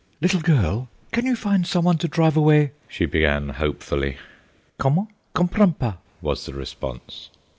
"Little girl, can you find some one to drive away—" she began hopefully. "Comment? Comprends pas," was the response.